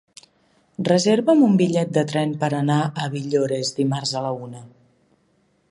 Reserva'm un bitllet de tren per anar a Villores dimarts a la una.